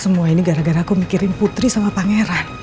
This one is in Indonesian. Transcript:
semua ini gara gara aku mikirin putri sama pangeran